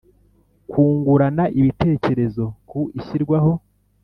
Kungurana ibitekerezo ku ishyirwaho